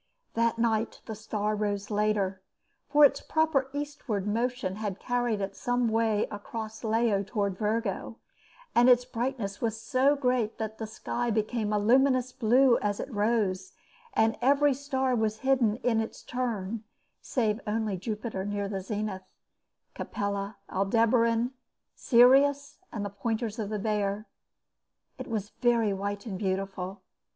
That night the star rose later, for its proper eastward motion had carried it some way across Leo towards Virgo, and its brightness was so great that the sky became a luminous blue as it rose, and every star was hidden in its turn, save only Jupiter near the zenith, Capella, Aldebaran, Sirius and the pointers of the Bear. It was very white and beautiful.